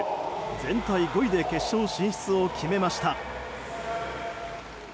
全体５位で決勝進出を決めました。